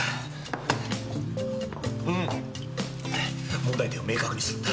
うん問題点を明確にするんだ。